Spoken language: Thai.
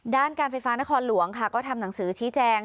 ด้านการไฟฟ้านครหลวงค่ะก็ทำหนังสือชี้แจง